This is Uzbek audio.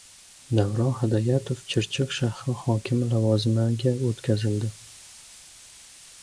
Davron Hidoyatov Chirchiq shahri hokimi lavozimiga o‘tkazildi